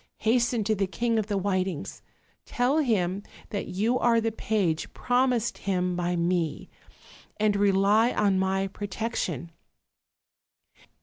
Hasten to the King of the Whitings; tell him that you are the page promised him by me; and rely on my protection."